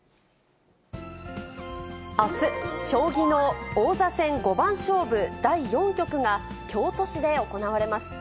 あす、将棋の王座戦五番勝負第４局が京都市で行われます。